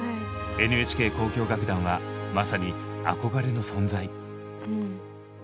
ＮＨＫ交響楽団はまさに憧れの存在。